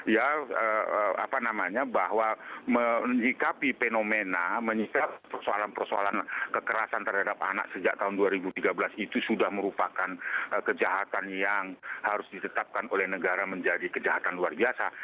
ya apa namanya bahwa menyikapi fenomena menyikap persoalan persoalan kekerasan terhadap anak sejak tahun dua ribu tiga belas itu sudah merupakan kejahatan yang harus ditetapkan oleh negara menjadi kejahatan luar biasa